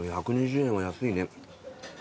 １２０円は安いね。